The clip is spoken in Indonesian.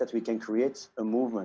dan itu yang saya pikirkan